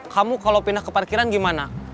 kamu kalau pindah ke parkiran gimana